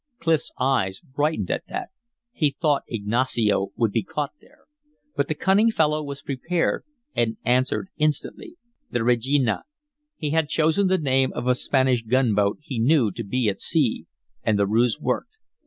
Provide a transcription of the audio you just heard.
Clif's eyes brightened at that; he thought Ignacio would be caught there. But the cunning fellow was prepared, and answered instantly. "The Regina." He had chosen the name of a Spanish gunboat he knew to be at sea; and the ruse worked.